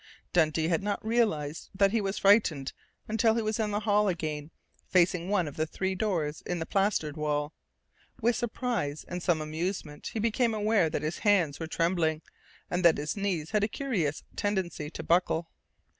Dundee had not realized that he was frightened until he was in the hall again, facing one of the three doors in the plastered wall. With surprise, and some amusement, he became aware that his hands were trembling, and that his knees had a curious tendency to buckle.